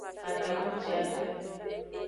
Katakpuciadre.